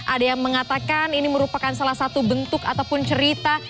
ada yang mengatakan ini merupakan salah satu bentuk ataupun cerita